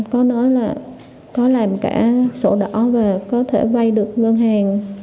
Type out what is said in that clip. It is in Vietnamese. có nói là có làm cả sổ đỏ và có thể vay được ngân hàng